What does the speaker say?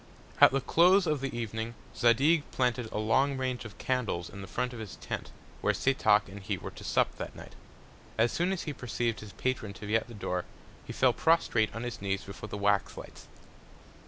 At the Close of the Evening, Zadig planted a long Range of Candles in the Front of his Tent, where Setoc and he were to sup that Night: And as soon as he perceiv'd his Patron to be at the Door, he fell prostrate on his Knees before the Wax Lights.